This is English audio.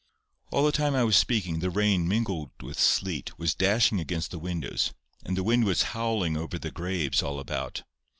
All the time I was speaking, the rain, mingled with sleet, was dashing against the windows, and the wind was howling over the graves all about.